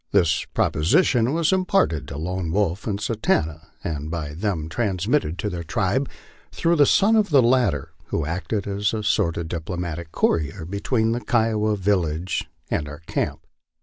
This proposition was imparted to Lone Wolf and Satanta, and by them transmitted to their tribe, through the son of the latter, who acted as a sort of diplomatic courier be tween the Kiowa village and our camp.